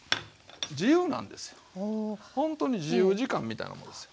ほんとに自由時間みたいなもんですよ。